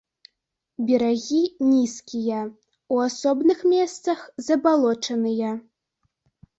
Берагі нізкія, у асобных месцах забалочаныя.